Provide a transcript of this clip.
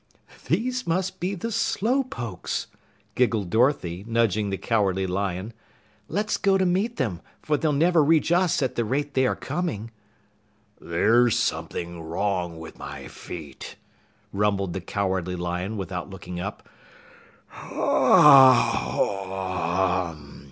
"These must be the Slow Pokes," giggled Dorothy, nudging the Cowardly Lion. "Let's go to meet them, for they'll never reach us at the rate they are coming!" "There's something wrong with my feet," rumbled the Cowardly Lion without looking up.